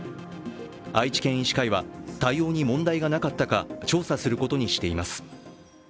愛知県医師会は、対応に問題がなかったか調査することにしています。